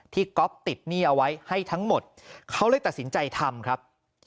ก๊อฟติดหนี้เอาไว้ให้ทั้งหมดเขาเลยตัดสินใจทำครับ